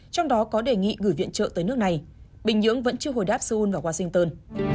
trong đó có đề nghị gửi viện trợ tới nước này bình nhưỡng vẫn chưa hồi đáp seoul và washington